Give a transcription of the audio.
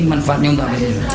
jadi manfaatnya untuk apa sih